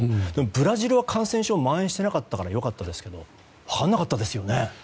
ブラジルは感染症が蔓延していなかったから良かったですが分からなかったですよね。